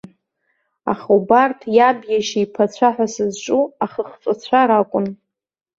Аха убарҭ иаб иашьа иԥацәа ҳәа сызҿу ахыхҵәацәа ракәын.